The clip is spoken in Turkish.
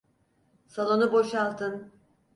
Salonu boşaltın!